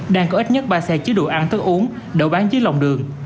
đang có ít nhất ba xe chứa đồ ăn thức uống đậu bán dưới lòng đường